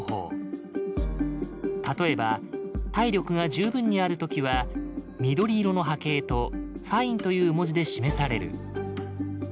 例えば体力が十分にある時は緑色の波形と「Ｆｉｎｅ」という文字で示される。